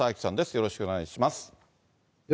よろしくお願いします。